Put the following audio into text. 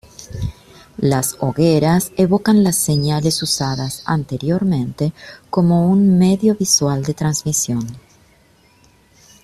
Las hogueras evocan las señales usadas anteriormente como un medio visual de transmisión.